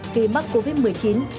khi mắc covid một mươi chín